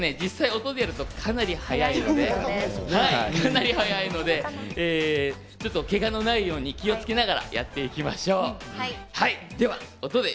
音でやるとかなり速いのでけがのないように気をつけながらやっていきましょう。